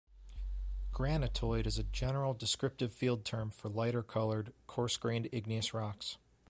Granitoid is a general, descriptive field term for lighter-colored, coarse-grained igneous rocks.